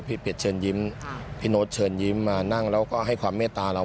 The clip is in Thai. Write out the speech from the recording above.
เป็ดเชิญยิ้มพี่โน๊ตเชิญยิ้มมานั่งแล้วก็ให้ความเมตตาเรา